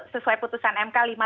sesuai keputusan mk lima puluh lima